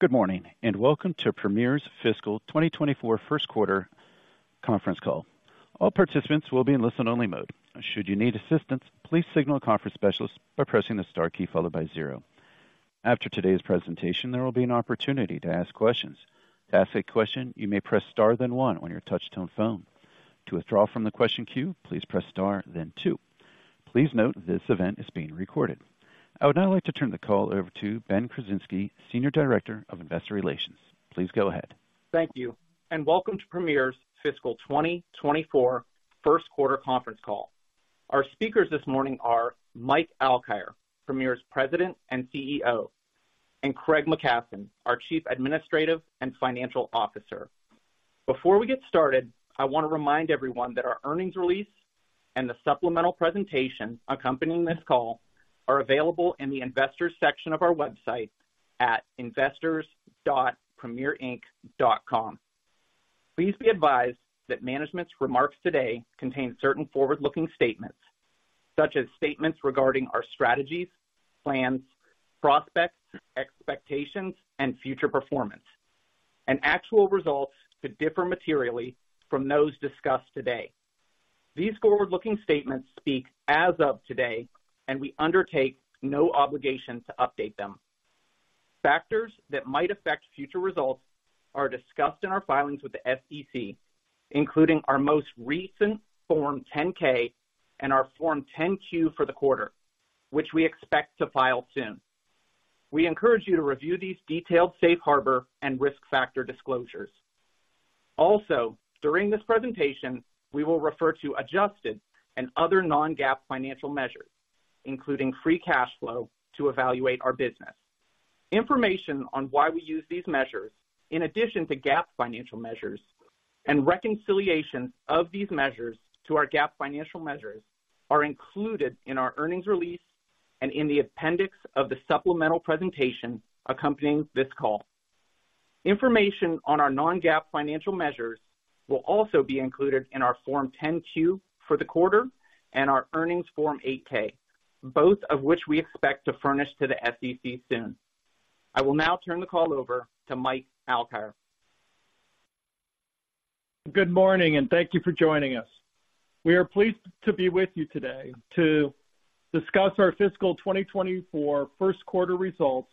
Good morning, and welcome to Premier's Fiscal 2024 First Quarter Conference Call. All participants will be in listen-only mode. Should you need assistance, please signal a conference specialist by pressing the star key followed by zero. After today's presentation, there will be an opportunity to ask questions. To ask a question, you may press star, then one on your touchtone phone. To withdraw from the question queue, please press star, then two. Please note, this event is being recorded. I would now like to turn the call over to Ben Krasinski, Senior Director of Investor Relations. Please go ahead. Thank you, and welcome to Premier's fiscal 2024 first quarter conference call. Our speakers this morning are Mike Alkire, Premier's President and CEO, and Craig McKasson, our Chief Administrative and Financial Officer. Before we get started, I want to remind everyone that our earnings release and the supplemental presentation accompanying this call are available in the Investors section of our website at investors.premierinc.com. Please be advised that management's remarks today contain certain forward-looking statements, such as statements regarding our strategies, plans, prospects, expectations, and future performance, and actual results could differ materially from those discussed today. These forward-looking statements speak as of today, and we undertake no obligation to update them. Factors that might affect future results are discussed in our filings with the SEC, including our most recent Form 10-K and our Form 10-Q for the quarter, which we expect to file soon. We encourage you to review these detailed safe harbor and risk factor disclosures. Also, during this presentation, we will refer to adjusted and other non-GAAP financial measures, including free cash flow, to evaluate our business. Information on why we use these measures in addition to GAAP financial measures and reconciliation of these measures to our GAAP financial measures, are included in our earnings release and in the appendix of the supplemental presentation accompanying this call. Information on our non-GAAP financial measures will also be included in our Form 10-Q for the quarter and our earnings Form 8-K, both of which we expect to furnish to the SEC soon. I will now turn the call over to Mike Alkire. Good morning, and thank you for joining us. We are pleased to be with you today to discuss our fiscal 2024 first quarter results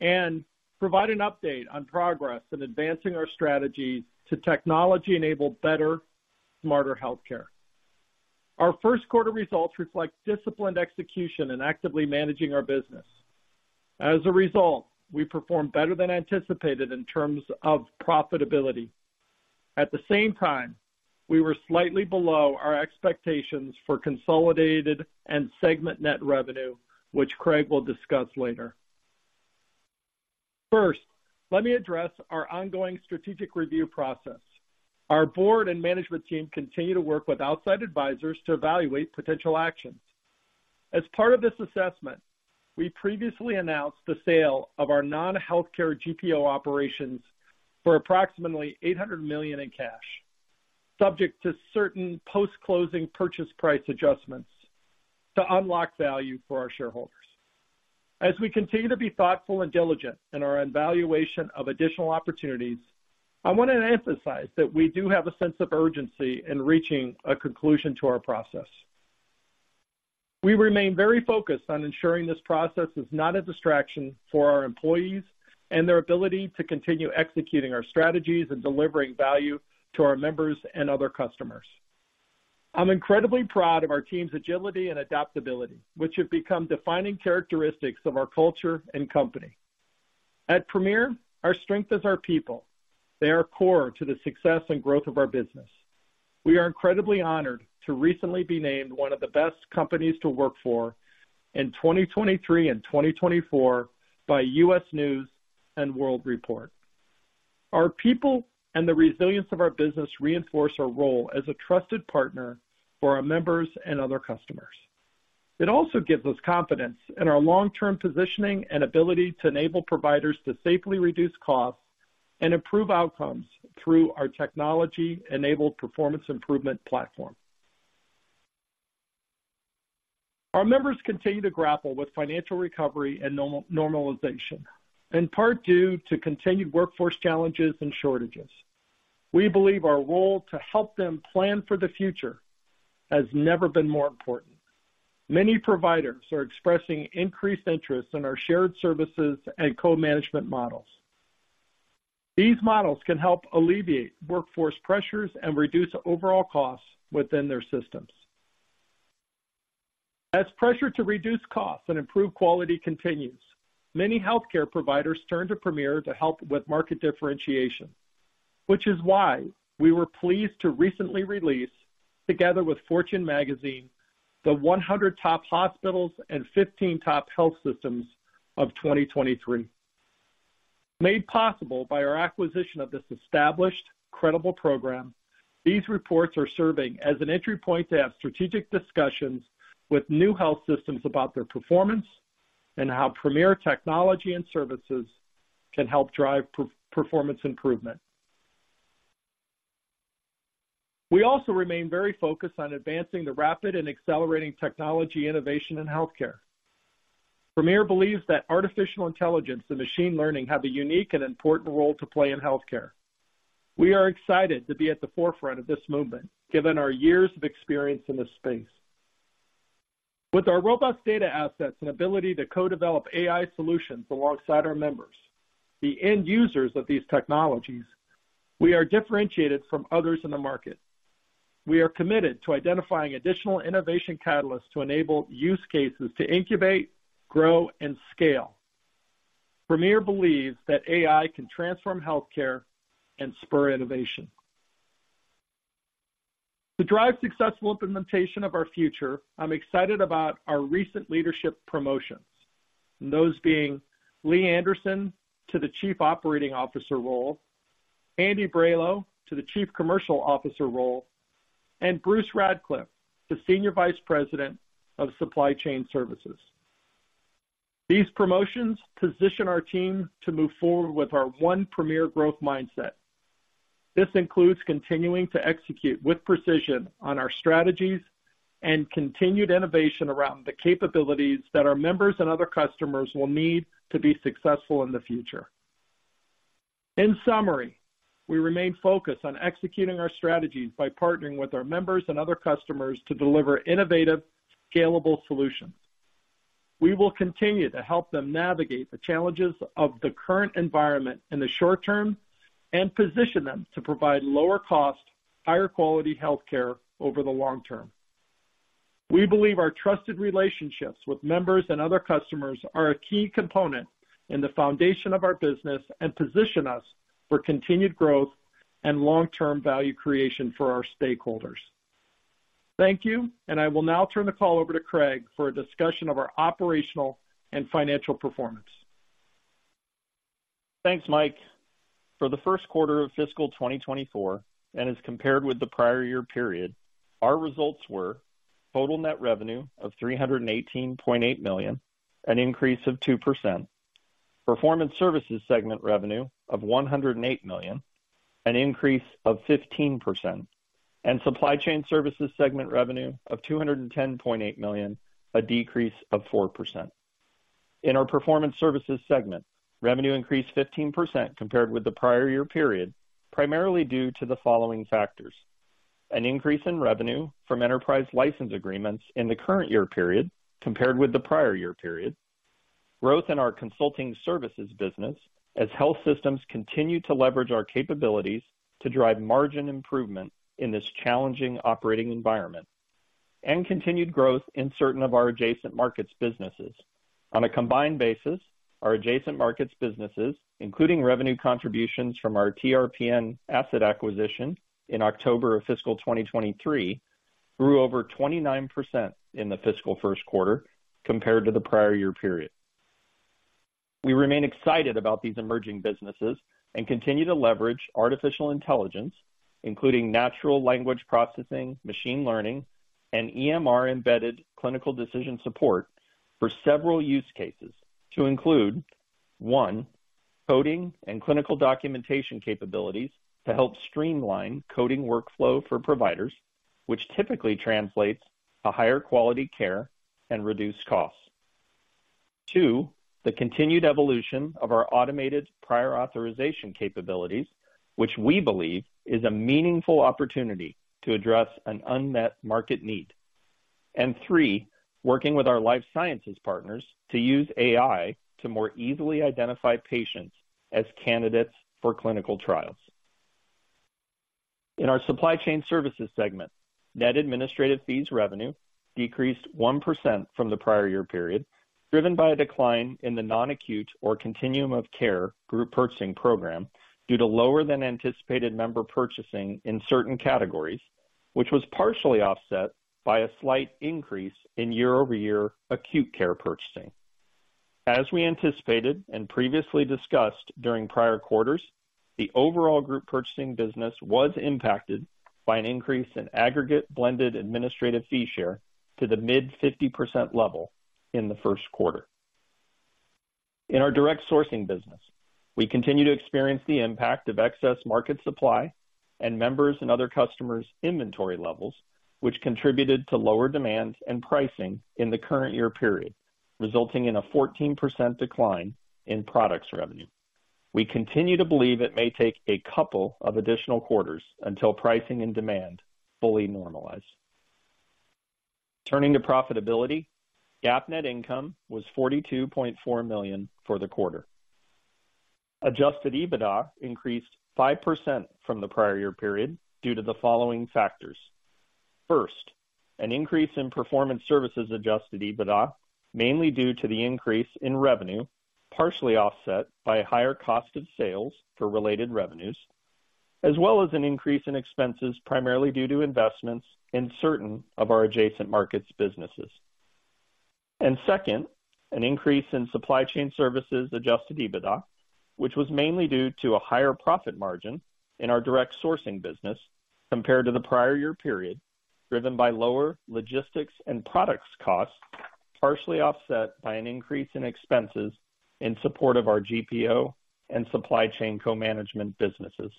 and provide an update on progress in advancing our strategy to technology-enabled, better, smarter healthcare. Our first quarter results reflect disciplined execution and actively managing our business. As a result, we performed better than anticipated in terms of profitability. At the same time, we were slightly below our expectations for consolidated and segment net revenue, which Craig will discuss later. First, let me address our ongoing strategic review process. Our board and management team continue to work with outside advisors to evaluate potential actions. As part of this assessment, we previously announced the sale of our non-healthcare GPO operations for approximately $800 million in cash, subject to certain post-closing purchase price adjustments to unlock value for our shareholders. As we continue to be thoughtful and diligent in our evaluation of additional opportunities, I want to emphasize that we do have a sense of urgency in reaching a conclusion to our process. We remain very focused on ensuring this process is not a distraction for our employees and their ability to continue executing our strategies and delivering value to our members and other customers. I'm incredibly proud of our team's agility and adaptability, which have become defining characteristics of our culture and company. At Premier, our strength is our people. They are core to the success and growth of our business. We are incredibly honored to recently be named one of the best companies to work for in 2023 and 2024 by U.S. News & World Report. Our people and the resilience of our business reinforce our role as a trusted partner for our members and other customers. It also gives us confidence in our long-term positioning and ability to enable providers to safely reduce costs and improve outcomes through our technology-enabled performance improvement platform. Our members continue to grapple with financial recovery and norm-normalization, in part due to continued workforce challenges and shortages. We believe our role to help them plan for the future has never been more important. Many providers are expressing increased interest in our shared services and co-management models. These models can help alleviate workforce pressures and reduce overall costs within their systems. As pressure to reduce costs and improve quality continues, many healthcare providers turn to Premier to help with market differentiation, which is why we were pleased to recently release, together with Fortune Magazine, the 100 Top Hospitals and 15 Top Health Systems of 2023. Made possible by our acquisition of this established, credible program, these reports are serving as an entry point to have strategic discussions with new health systems about their performance and how Premier technology and services can help drive per-performance improvement.... We also remain very focused on advancing the rapid and accelerating technology innovation in healthcare. Premier believes that artificial intelligence and machine learning have a unique and important role to play in healthcare. We are excited to be at the forefront of this movement, given our years of experience in this space. With our robust data assets and ability to co-develop AI solutions alongside our members, the end users of these technologies, we are differentiated from others in the market. We are committed to identifying additional innovation catalysts to enable use cases to incubate, grow, and scale. Premier believes that AI can transform healthcare and spur innovation. To drive successful implementation of our future, I'm excited about our recent leadership promotions, and those being Leigh Anderson to the Chief Operating Officer role, Andy Brailo to the Chief Commercial Officer role, and Bruce Radcliff to Senior Vice President of Supply Chain Services. These promotions position our team to move forward with our One Premier growth mindset. This includes continuing to execute with precision on our strategies and continued innovation around the capabilities that our members and other customers will need to be successful in the future. In summary, we remain focused on executing our strategies by partnering with our members and other customers to deliver innovative, scalable solutions. We will continue to help them navigate the challenges of the current environment in the short term and position them to provide lower cost, higher quality healthcare over the long term. We believe our trusted relationships with members and other customers are a key component in the foundation of our business and position us for continued growth and long-term value creation for our stakeholders. Thank you, and I will now turn the call over to Craig for a discussion of our operational and financial performance. Thanks, Mike. For the first quarter of fiscal 2024, and as compared with the prior year period, our results were: total net revenue of $318.8 million, an increase of 2%, Performance Services segment revenue of $108 million, an increase of 15%, and Supply Chain Services segment revenue of $210.8 million, a decrease of 4%. In our Performance Services segment, revenue increased 15% compared with the prior year period, primarily due to the following factors: an increase in revenue from enterprise license agreements in the current year period compared with the prior year period, growth in our consulting services business as health systems continue to leverage our capabilities to drive margin improvement in this challenging operating environment, and continued growth in certain of our adjacent markets businesses. On a combined basis, our adjacent markets businesses, including revenue contributions from our TRPN asset acquisition in October of fiscal 2023, grew over 29% in the fiscal first quarter compared to the prior year period. We remain excited about these emerging businesses and continue to leverage artificial intelligence, including natural language processing, machine learning, and EMR-embedded clinical decision support for several use cases to include, one, coding and clinical documentation capabilities to help streamline coding workflow for providers, which typically translates to higher quality care and reduced costs. Two, the continued evolution of our automated prior authorization capabilities, which we believe is a meaningful opportunity to address an unmet market need. And three, working with our life sciences partners to use AI to more easily identify patients as candidates for clinical trials. In our Supply Chain Services segment, net administrative fees revenue decreased 1% from the prior year period, driven by a decline in the non-acute or Continuum of Care group purchasing program due to lower than anticipated member purchasing in certain categories, which was partially offset by a slight increase in year-over-year acute care purchasing. As we anticipated and previously discussed during prior quarters, the overall group purchasing business was impacted by an increase in aggregate blended administrative fee share to the mid-50% level in the first quarter. In our direct sourcing business, we continue to experience the impact of excess market supply and members' and other customers' inventory levels, which contributed to lower demand and pricing in the current year period, resulting in a 14% decline in products revenue. We continue to believe it may take a couple of additional quarters until pricing and demand fully normalize. Turning to profitability, GAAP net income was $42.4 million for the quarter. Adjusted EBITDA increased 5% from the prior year period due to the following factors: first, an increase in Performance Services adjusted EBITDA, mainly due to the increase in revenue, partially offset by higher cost of sales for related revenues, as well as an increase in expenses, primarily due to investments in certain of our adjacent markets businesses. And second, an increase in Supply Chain Services adjusted EBITDA, which was mainly due to a higher profit margin in our direct sourcing business compared to the prior year period, driven by lower logistics and products costs, partially offset by an increase in expenses in support of our GPO and supply chain co-management businesses.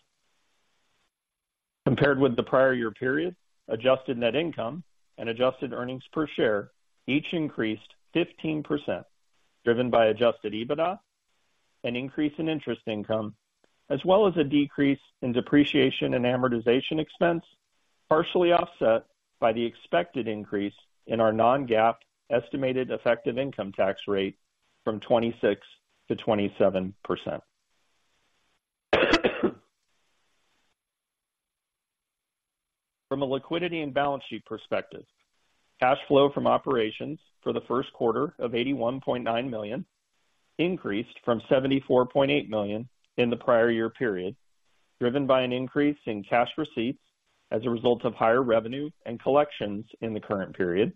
Compared with the prior year period, adjusted net income and adjusted earnings per share each increased 15%, driven by Adjusted EBITDA, an increase in interest income, as well as a decrease in depreciation and amortization expense, partially offset by the expected increase in our non-GAAP estimated effective income tax rate from 26%-27%. From a liquidity and balance sheet perspective, cash flow from operations for the first quarter of $81.9 million increased from $74.8 million in the prior year period, driven by an increase in cash receipts as a result of higher revenue and collections in the current period,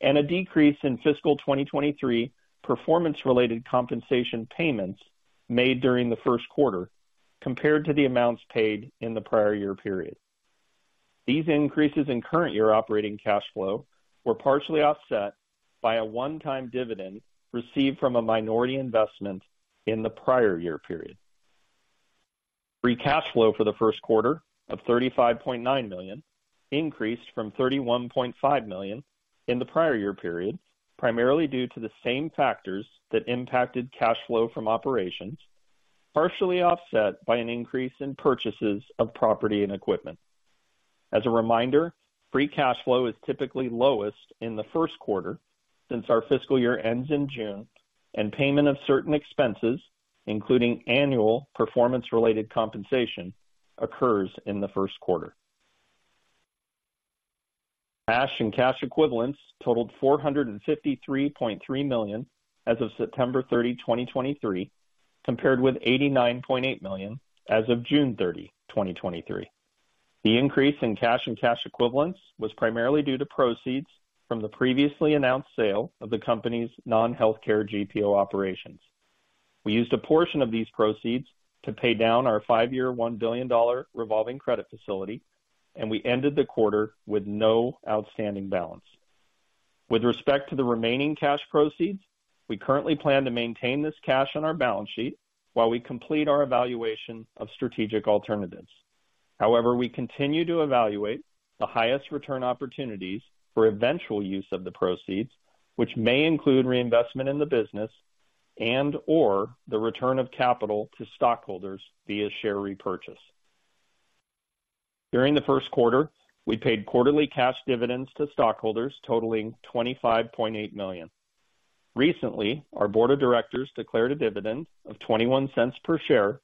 and a decrease in fiscal 2023 performance-related compensation payments made during the first quarter compared to the amounts paid in the prior year period. These increases in current year operating cash flow were partially offset by a 1x dividend received from a minority investment in the prior year period. Free cash flow for the first quarter of $35.9 million increased from $31.5 million in the prior year period, primarily due to the same factors that impacted cash flow from operations, partially offset by an increase in purchases of property and equipment. As a reminder, free cash flow is typically lowest in the first quarter since our fiscal year ends in June, and payment of certain expenses, including annual performance-related compensation, occurs in the first quarter. Cash and cash equivalents totaled $453.3 million as of September 30, 2023, compared with $89.8 million as of June 30, 2023. The increase in cash and cash equivalents was primarily due to proceeds from the previously announced sale of the company's non-healthcare GPO operations. We used a portion of these proceeds to pay down our five-year, $1 billion revolving credit facility, and we ended the quarter with no outstanding balance. With respect to the remaining cash proceeds, we currently plan to maintain this cash on our balance sheet while we complete our evaluation of strategic alternatives. However, we continue to evaluate the highest return opportunities for eventual use of the proceeds, which may include reinvestment in the business and/or the return of capital to stockholders via share repurchase. During the first quarter, we paid quarterly cash dividends to stockholders totaling $25.8 million. Recently, our board of directors declared a dividend of $0.21 per share,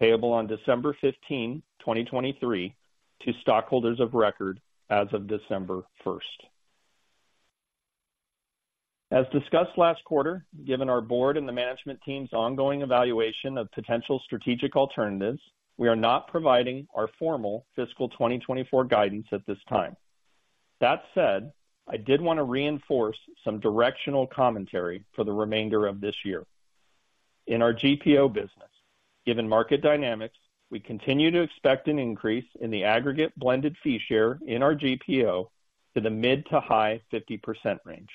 payable on December 15, 2023, to stockholders of record as of December 1st. As discussed last quarter, given our board and the management team's ongoing evaluation of potential strategic alternatives, we are not providing our formal fiscal 2024 guidance at this time. That said, I did want to reinforce some directional commentary for the remainder of this year. In our GPO business, given market dynamics, we continue to expect an increase in the aggregate blended fee share in our GPO to the mid- to high-50% range.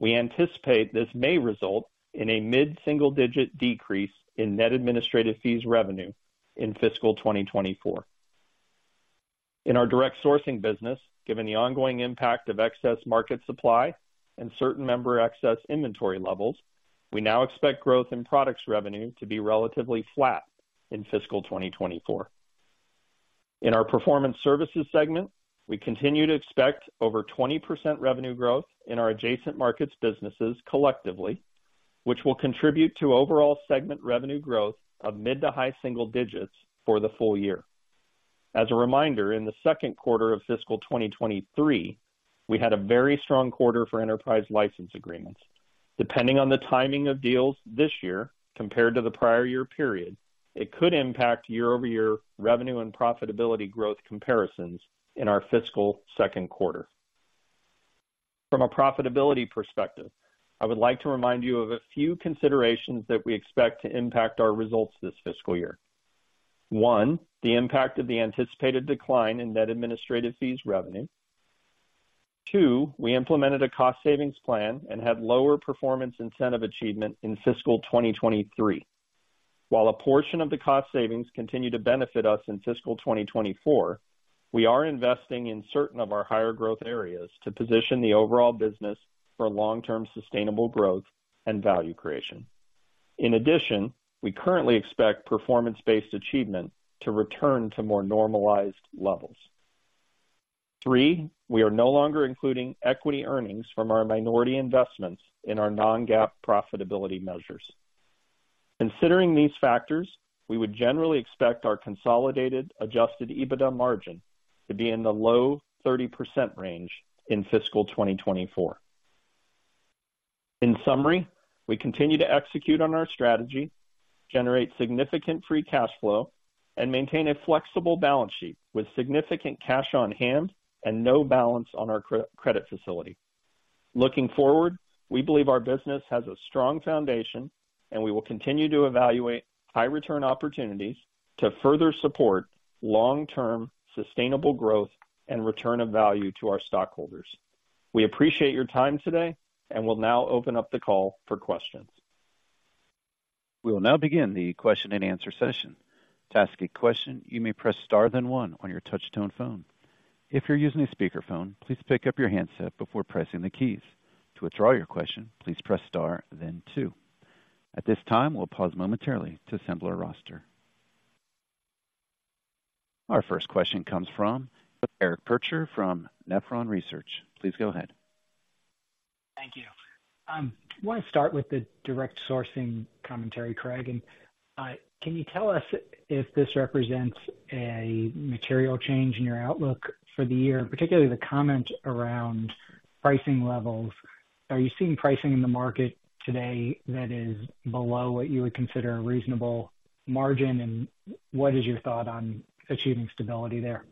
We anticipate this may result in a mid-single-digit decrease in net administrative fees revenue in fiscal 2024. In our direct sourcing business, given the ongoing impact of excess market supply and certain member excess inventory levels, we now expect growth in products revenue to be relatively flat in fiscal 2024. In our performance services segment, we continue to expect over 20% revenue growth in our adjacent markets businesses collectively, which will contribute to overall segment revenue growth of mid to high single digits for the full year. As a reminder, in the second quarter of fiscal 2023, we had a very strong quarter for enterprise license agreements. Depending on the timing of deals this year compared to the prior year period, it could impact year-over-year revenue and profitability growth comparisons in our fiscal second quarter. From a profitability perspective, I would like to remind you of a few considerations that we expect to impact our results this fiscal year. 1, the impact of the anticipated decline in net administrative fees revenue. 2, we implemented a cost savings plan and had lower performance incentive achievement in fiscal 2023. While a portion of the cost savings continue to benefit us in fiscal 2024, we are investing in certain of our higher growth areas to position the overall business for long-term sustainable growth and value creation. In addition, we currently expect performance-based achievement to return to more normalized levels. 3, we are no longer including equity earnings from our minority investments in our non-GAAP profitability measures. Considering these factors, we would generally expect our consolidated Adjusted EBITDA margin to be in the low 30% range in fiscal 2024. In summary, we continue to execute on our strategy, generate significant free cash flow, and maintain a flexible balance sheet with significant cash on hand and no balance on our credit facility. Looking forward, we believe our business has a strong foundation, and we will continue to evaluate high return opportunities to further support long-term sustainable growth and return of value to our stockholders. We appreciate your time today and will now open up the call for questions. We will now begin the question-and-answer session. To ask a question, you may press star, then one on your touchtone phone. If you're using a speakerphone, please pick up your handset before pressing the keys. To withdraw your question, please press star, then two. At this time, we'll pause momentarily to assemble our roster. Our first question comes from Eric Percher from Nephron Research. Please go ahead. Thank you. I want to start with the direct sourcing commentary, Craig, and can you tell us if this represents a material change in your outlook for the year, particularly the comment around pricing levels? Are you seeing pricing in the market today that is below what you would consider a reasonable margin, and what is your thought on achieving stability there?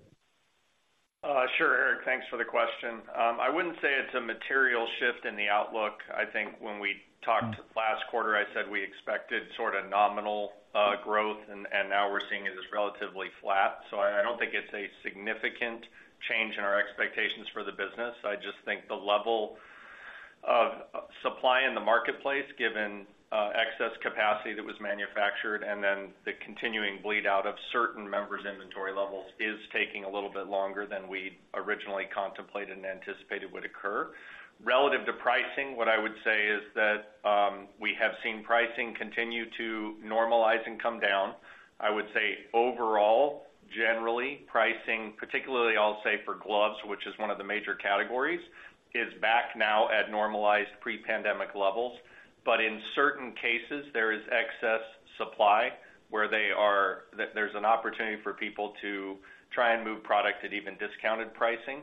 Sure, Eric, thanks for the question. I wouldn't say it's a material shift in the outlook. I think when we talked last quarter, I said we expected sort of nominal growth, and now we're seeing it as relatively flat. So I don't think it's a significant change in our expectations for the business. I just think the level of supply in the marketplace, given excess capacity that was manufactured and then the continuing bleed out of certain members' inventory levels, is taking a little bit longer than we originally contemplated and anticipated would occur. Relative to pricing, what I would say is that we have seen pricing continue to normalize and come down. I would say overall, generally, pricing, particularly, I'll say for gloves, which is one of the major categories, is back now at normalized pre-pandemic levels. But in certain cases, there is excess supply where there's an opportunity for people to try and move product at even discounted pricing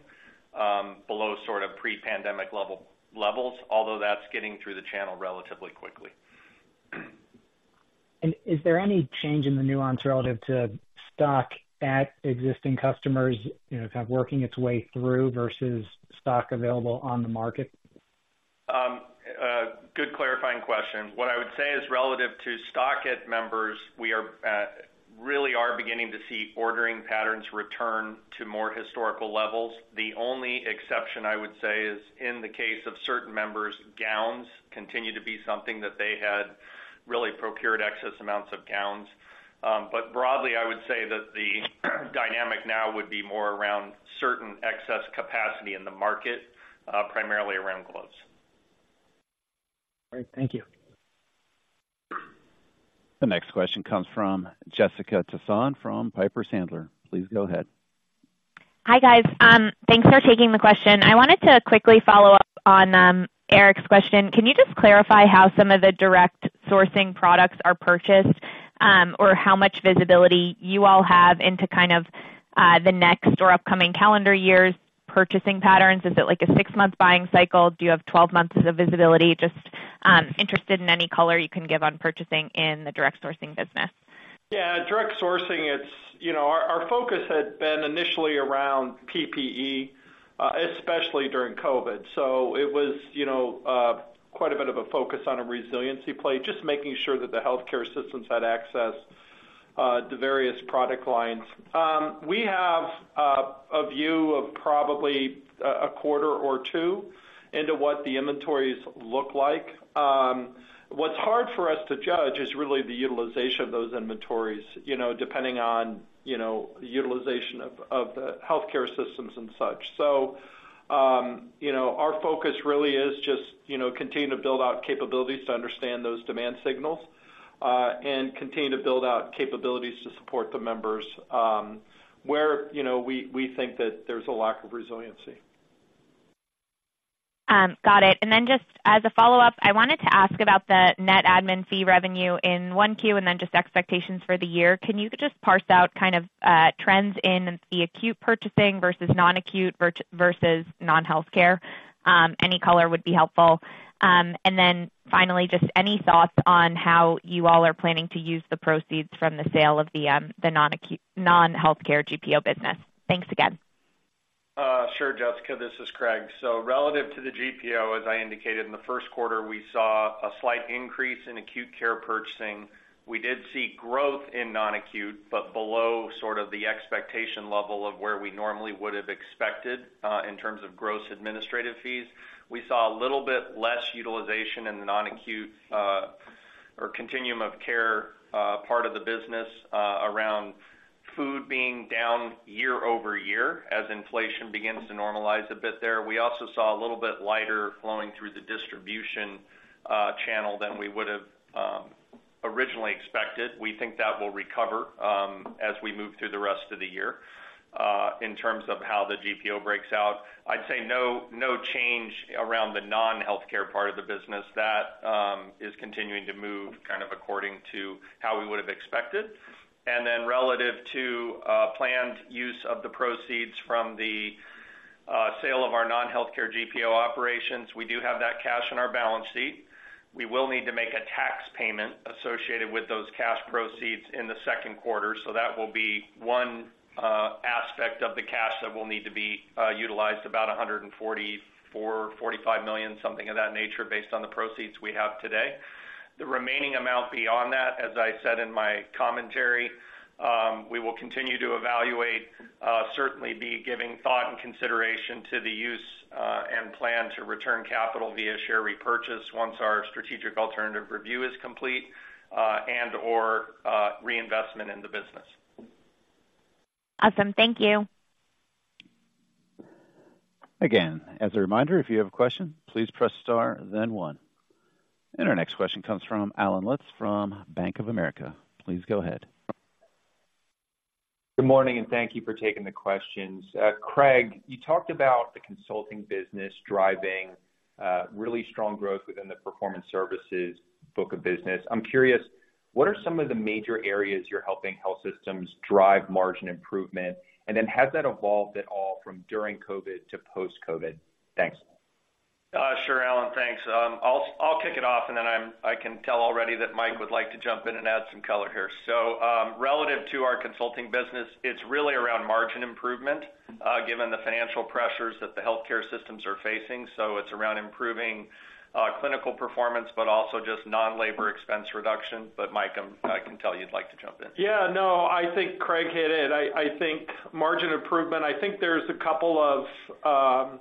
below sort of pre-pandemic levels, although that's getting through the channel relatively quickly. Is there any change in the nuance relative to stock at existing customers, you know, kind of working its way through versus stock available on the market? Good clarifying question. What I would say is relative to stock at members, we are really are beginning to see ordering patterns return to more historical levels. The only exception I would say is in the case of certain members, gowns continue to be something that they had really procured excess amounts of gowns. But broadly, I would say that the dynamic now would be more around certain excess capacity in the market, primarily around gloves. All right, thank you. The next question comes from Jessica Tassan from Piper Sandler. Please go ahead. Hi, guys. Thanks for taking the question. I wanted to quickly follow up on Eric's question. Can you just clarify how some of the direct sourcing products are purchased, or how much visibility you all have into kind of the next or upcoming calendar year's purchasing patterns? Is it like a six-month buying cycle? Do you have 12 months of visibility? Just interested in any color you can give on purchasing in the direct sourcing business. Yeah, direct sourcing, it's. You know, our focus had been initially around PPE, especially during COVID. So it was, you know, quite a bit of a focus on a resiliency play, just making sure that the healthcare systems had access to various product lines. We have a view of probably a quarter or two into what the inventories look like. What's hard for us to judge is really the utilization of those inventories, you know, depending on, you know, utilization of the healthcare systems and such. So, you know, our focus really is just, you know, continue to build out capabilities to understand those demand signals and continue to build out capabilities to support the members, where, you know, we think that there's a lack of resiliency. Got it. And then just as a follow-up, I wanted to ask about the net admin fee revenue in 1Q and then just expectations for the year. Can you just parse out kind of, trends in the acute purchasing versus non-acute versus non-healthcare? Any color would be helpful. And then finally, just any thoughts on how you all are planning to use the proceeds from the sale of the, the non-acute non-healthcare GPO business? Thanks again. Sure, Jessica, this is Craig. So relative to the GPO, as I indicated in the first quarter, we saw a slight increase in acute care purchasing. We did see growth in non-acute, but below sort of the expectation level of where we normally would have expected, in terms of gross administrative fees. We saw a little bit less utilization in the non-acute, or Continuum of Care, part of the business, around food being down year-over-year, as inflation begins to normalize a bit there. We also saw a little bit lighter flowing through the distribution, channel than we would have, originally expected. We think that will recover, as we move through the rest of the year. In terms of how the GPO breaks out, I'd say no, no change around the non-healthcare part of the business. That is continuing to move kind of according to how we would have expected. And then relative to planned use of the proceeds from the sale of our non-healthcare GPO operations, we do have that cash on our balance sheet. We will need to make a tax payment associated with those cash proceeds in the second quarter, so that will be one aspect of the cash that will need to be utilized, about $144-$145 million, something of that nature, based on the proceeds we have today. The remaining amount beyond that, as I said in my commentary, we will continue to evaluate, certainly be giving thought and consideration to the use and plan to return capital via share repurchase once our strategic alternative review is complete, and/or reinvestment in the business. Awesome. Thank you. Again, as a reminder, if you have a question, please press star, then one. Our next question comes from Allen Lutz from Bank of America. Please go ahead. Good morning, and thank you for taking the questions. Craig, you talked about the consulting business driving really strong growth within the performance services book of business. I'm curious, what are some of the major areas you're helping health systems drive margin improvement? And then has that evolved at all from during COVID to post-COVID? Thanks. Sure, Allen, thanks. I'll kick it off, and then I can tell already that Mike would like to jump in and add some color here. So, relative to our consulting business, it's really around margin improvement, given the financial pressures that the healthcare systems are facing. So it's around improving clinical performance, but also just non-labor expense reduction. But Mike, I can tell you'd like to jump in. Yeah, no, I think Craig hit it. I think margin improvement. I think there's a couple of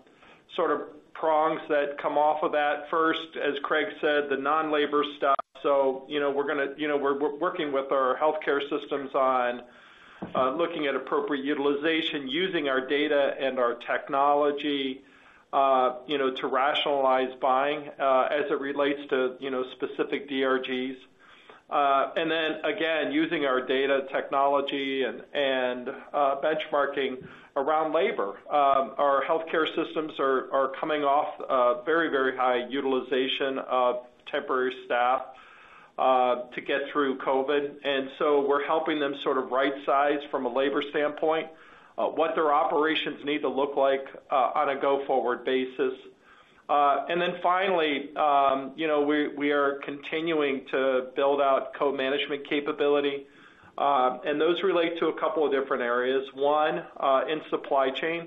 sort of prongs that come off of that. First, as Craig said, the non-labor stuff. So, you know, we're gonna, you know, we're working with our healthcare systems on looking at appropriate utilization, using our data and our technology, you know, to rationalize buying, as it relates to, you know, specific DRGs. And then again, using our data technology and benchmarking around labor. Our healthcare systems are coming off a very, very high utilization of temporary staff to get through COVID, and so we're helping them sort of rightsize from a labor standpoint, what their operations need to look like, on a go-forward basis. And then finally, you know, we are continuing to build out co-management capability, and those relate to a couple of different areas. One, in supply chain,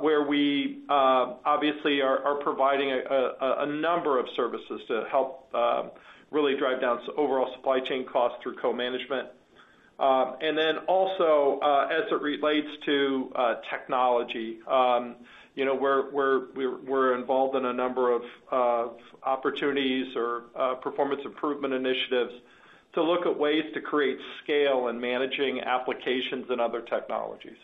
where we obviously are providing a number of services to help really drive down overall supply chain costs through co-management. And then also, as it relates to technology, you know, we're involved in a number of opportunities or performance improvement initiatives to look at ways to create scale in managing applications and other technologies.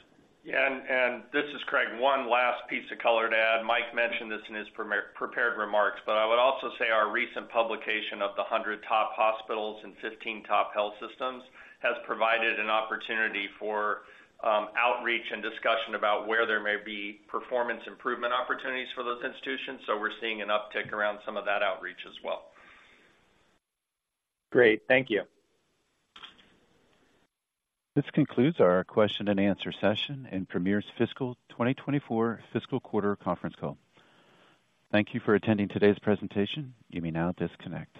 Yeah, and this is Craig. One last piece of color to add. Mike mentioned this in his prepared remarks, but I would also say our recent publication of the 100 Top Hospitals and 15 Top Health Systems has provided an opportunity for outreach and discussion about where there may be performance improvement opportunities for those institutions. So we're seeing an uptick around some of that outreach as well. Great. Thank you. This concludes our question and answer session in Premier's fiscal 2024 first quarter conference call. Thank you for attending today's presentation. You may now disconnect.